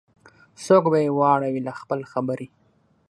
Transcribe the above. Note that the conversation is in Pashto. څوک به یې واړوي له خپل خبري